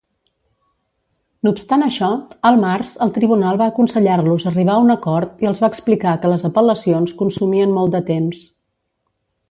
No obstant això, al març, el tribunal va aconsellar-los arribar a un acord i els va explicar que les apel·lacions consumien molt de temps.